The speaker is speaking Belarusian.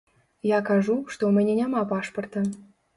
Я кажу, што ў мяне няма пашпарта.